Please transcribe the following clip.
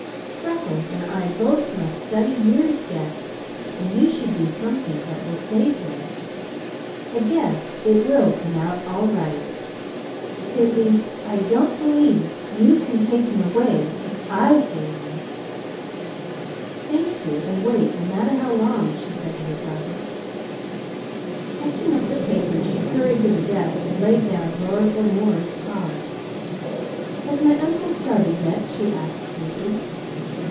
Freckles and I both must study years yet, and you should be something that will save him. I guess it will come out all right. At least, I don't believe you can take him away if I say no." "Thank you; and wait, no matter how long," she said to her driver. Catching up the paper, she hurried to the desk and laid down Lord O'More's card. "Has my uncle started yet?" she asked sweetly.